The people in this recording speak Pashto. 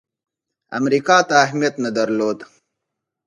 امریکا ته اهمیت نه درلود.